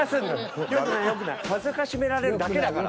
辱められるだけだから。